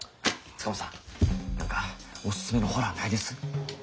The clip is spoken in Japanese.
塚本さん何かおすすめのホラーないです？